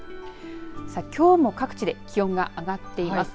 さあ、きょうも各地で気温が上がっています。